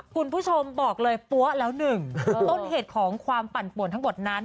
คุณผู้ชมบอกเลยปั๊วแล้วหนึ่งต้นเหตุของความปั่นป่วนทั้งหมดนั้น